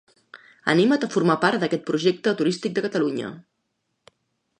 Anima't a formar part del projecte turístic de Catalunya.